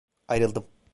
Ayrıldım.